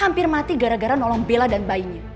hampir mati gara gara nolong bila dan bayinya